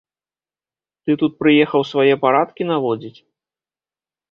Ты тут прыехаў свае парадкі наводзіць?